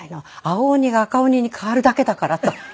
青鬼が赤鬼に変わるだけだから」と。